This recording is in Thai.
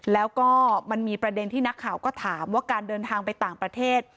แล้วก็มันมีประเด็นที่นักข่าวก็ถามว่าการเดินทางไปต่างประเทศ